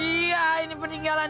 iya ini pertinggalan